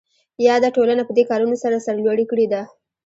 یاده ټولنه پدې کارونو سره سرلوړې کړې ده.